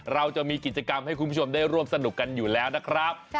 เราจะมีกิจกรรมให้คุณผู้ชมได้ร่วมสนุกกันอยู่แล้วนะครับ